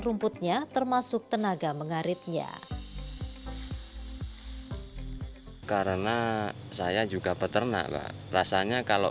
rumputnya termasuk tenaga mengaritnya karena saya juga peternak rasanya kalau